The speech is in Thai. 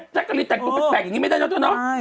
แจกกระลินแตกตัวไปแต่งอย่างงี้ไม่ได้แล้วจริง